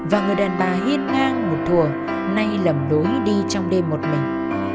và người đàn bà hiên ngang một thùa nay lầm lối đi trong đêm một mình